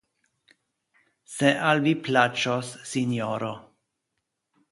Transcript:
Se al vi plaĉos, Sinjoro.